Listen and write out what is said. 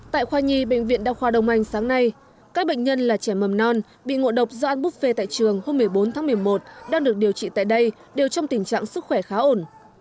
tại khoa nhi bệnh viện đa khoa đông anh sáng nay các bệnh nhân là trẻ mầm non bị ngộ độc do ăn buffet tại trường hôm một mươi bốn tháng một mươi một đang được điều trị tại đây đều trong tình trạng sức khỏe khá ổn